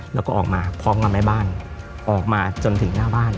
แล้วก็ออกมาพร้อมกับแม่บ้านออกมาจนถึงหน้าบ้าน